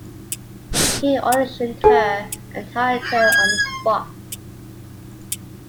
He auditioned her, and hired her on the spot.